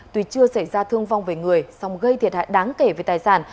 tuy chưa xảy ra thương vong về người song gây thiệt hại đáng kể về tài sản